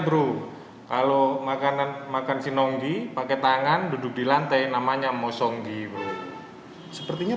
bro kalau makanan makan sinonggi pakai tangan duduk di lantai namanya mosonggi bro sepertinya